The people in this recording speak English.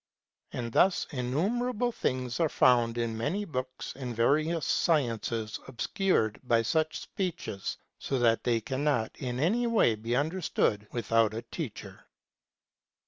And thus innumerable things are found in many books and various sciences, obscured by such speeches, so that they cannot in any way be understood without a teacher.